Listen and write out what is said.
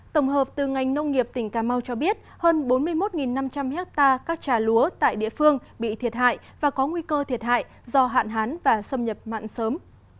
tổng hợp từ ngành nông nghiệp tỉnh cà mau cho biết hơn bốn mươi một năm trăm linh hectare các trà lúa tại địa phương bị thiệt hại và có nguy cơ thiệt hại do hạn hán và xâm nhập mặn sớm